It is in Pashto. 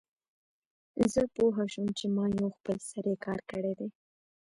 زه پوه شوم چې ما یو خپل سری کار کړی دی